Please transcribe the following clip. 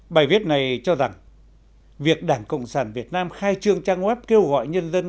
bài viết này cho rằng việc đảng cộng sản việt nam khai trương trang web kêu gọi nhân dân